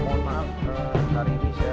berusaha keluar ke madagascar